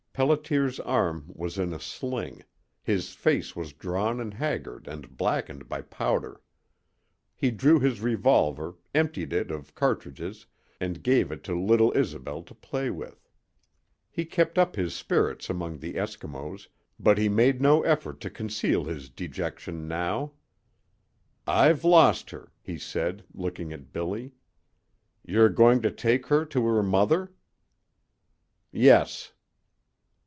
Pelliter's arm was in a sling. His face was drawn and haggard and blackened by powder. He drew his revolver, emptied it of cartridges, and gave it to little Isobel to play with. He kept up his spirits among the Eskimos, but he made no effort to conceal his dejection now. "I've lost her," he said, looking at Billy. "You're going to take her to her mother?" "Yes."